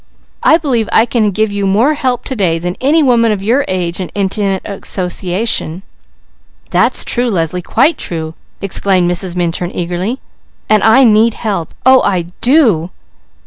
I believe I can give you more help to day than any woman of your age and intimate association." "That's true Leslie, quite true!" exclaimed Mrs. Minturn eagerly. "And I need help! Oh I do!"